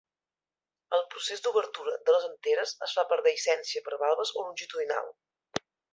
El procés d'obertura de les anteres es fa per dehiscència per valves o longitudinal.